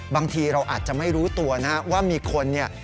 บางทีเราอาจจะไม่รู้ตัวนะฮะว่ามีคนเนี่ย